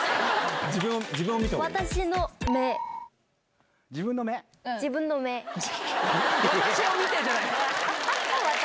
「私を見て」じゃない！